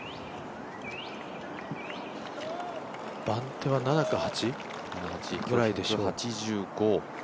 番手は７か８ぐらいでしょう。